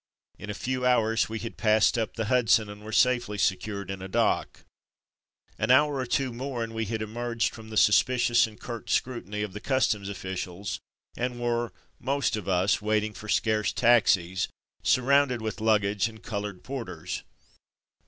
In a few hours we had passed up the Hudson and were safely secured in a dock. An hour or two more and we had emerged from the suspicious and curt scrutiny of the customs officials, and were, most of us, waiting for scarce taxis, surrounded with 298 From Mud to Mufti luggage and coloured porters.